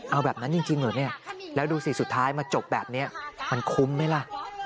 เอาแบบนั้นจริงเหรอเนี่ยแล้วดูสิสุดท้ายมาจบแบบนี้มันคุ้มไหมล่ะ